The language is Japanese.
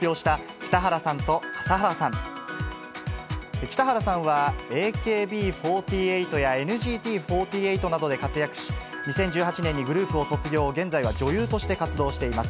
北原さんは、ＡＫＢ４８やＮＧＴ４８などで活躍し、２０１８年にグループを卒業、現在は女優として活動しています。